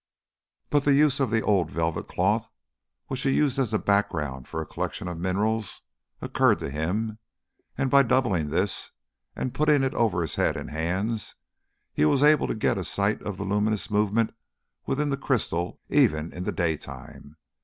But the use of an old velvet cloth, which he used as a background for a collection of minerals, occurred to him, and by doubling this, and putting it over his head and hands, he was able to get a sight of the luminous movement within the crystal even in the daytime.